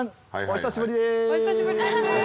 お久しぶりです！